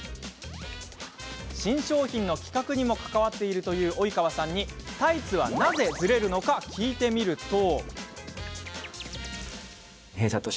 新商品の企画にも関わっているという及川さんにタイツは、なぜズレるのか聞いてみると。